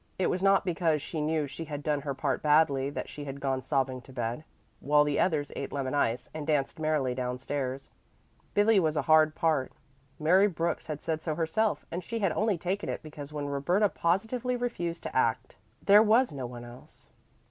It was not because she knew she had done her part badly that she had gone sobbing to bed, while the others ate lemon ice and danced merrily down stairs. Billy was a hard part; Mary Brooks had said so herself, and she had only taken it because when Roberta positively refused to act, there was no one else.